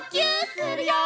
するよ！